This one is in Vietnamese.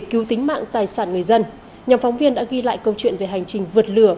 cứu tính mạng tài sản người dân nhóm phóng viên đã ghi lại câu chuyện về hành trình vượt lửa